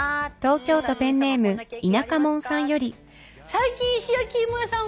最近石焼き芋屋さん。